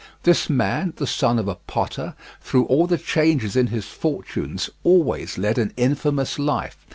This man, the son of a potter, through all the changes in his fortunes always led an infamous life.